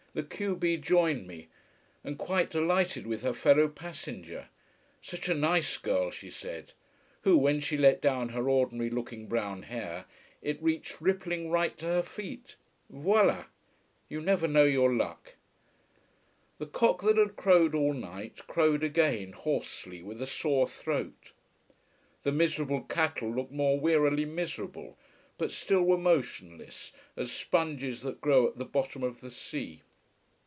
The q b joined me: and quite delighted with her fellow passenger: such a nice girl, she said! who, when she let down her ordinary looking brown hair, it reached rippling right to her feet! Voilà! You never know your luck. The cock that had crowed all night crowed again, hoarsely, with a sore throat. The miserable cattle looked more wearily miserable, but still were motionless, as sponges that grow at the bottom of the sea.